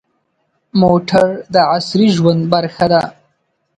موټر د عصري ژوند برخه ده.